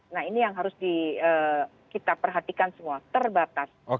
nah ini yang harus kita perhatikan semua terbatas